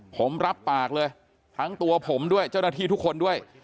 ผมรับปากเลยทั้งตัวผมด้วยเจ้าหน้าที่ทุกคนด้วย